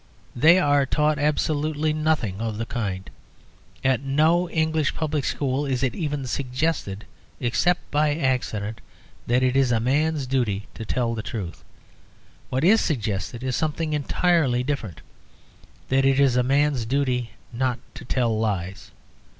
They are taught absolutely nothing of the kind. At no English public school is it even suggested, except by accident, that it is a man's duty to tell the truth. What is suggested is something entirely different: that it is a man's duty not to tell lies.